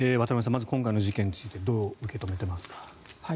まず、今回の事件についてどう受け止めていますか。